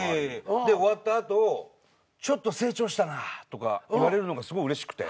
で終わった後「ちょっと成長したなぁ」とか言われるのがすごいうれしくて。